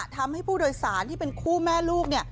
ทำให้ผู้โดยสารที่เป็นคู่แม่ลูก